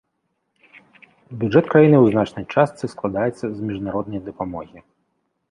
Бюджэт краіны ў значнай частцы складаецца з міжнароднай дапамогі.